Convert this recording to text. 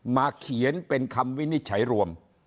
เขียนเป็นคำวินิจฉัยรวม